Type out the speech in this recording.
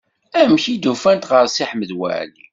Amek i d-ufant ɣef Si Ḥmed Waɛli?